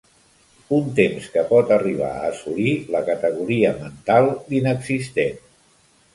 Un temps que pot arribar a assolir la categoria mental d'inexistent.